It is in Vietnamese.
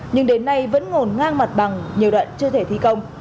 nhưng đến nay vẫn ngổn ngang mặt bằng nhiều đoạn chưa thể thi công